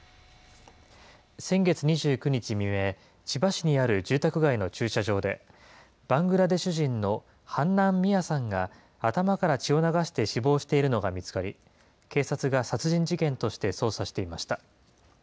先月２９日未明、千葉市にある住宅街の駐車場で、バングラデシュ人のハンナン・ミアさんが頭から血を流して死亡しているのが見つかり、警察が殺人事件として捜査していました。